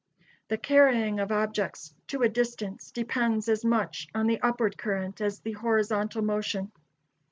The carrying of objects to a distance depends as much on the upward current as the horizontal motion.